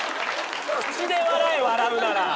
口で笑え笑うなら。